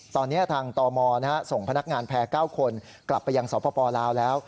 ตอนนี้ทางตมส่งพนักงานแพร่๙คนกลับไปยังสปลาวแล้ว